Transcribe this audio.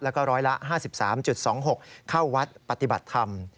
แล้วก็ร้อยละ๕๓๒๖เข้าวัดปฏิบัติธรรม